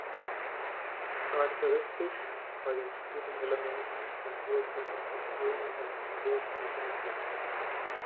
Charakteristisch bei den Spurenelementen sind hohe Konzentrationen an Chrom und Nickel.